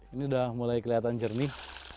ini udah mulai kelihatan jernih